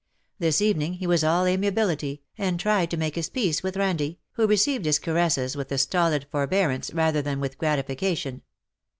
This evening he was all amiability^ and tried to make his peace with Ilandie_, who received his caresses with a stolid forbearance rather than with gratification.